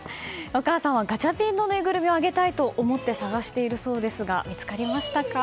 お母さんは、ガチャピンのぬいぐるみをあげたいと思って探しているそうですが見つかりましたか？